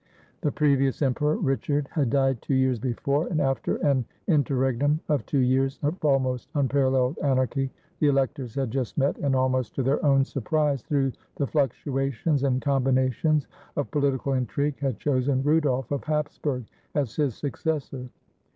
The previous Emperor, Richard, had died two years before, and after an inter regnum of two years of almost unparalleled anarchy, the electors had just met, and, almost to their own surprise, through the fluctuations and combinations of political intrigue, had chosen Rudolf of Hapsburg as his suc cessor.